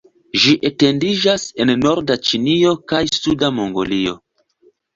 Ĝi etendiĝas en norda Ĉinio kaj suda Mongolio.